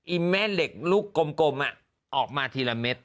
แม่เหล็กลูกกลมออกมาทีละเม็ด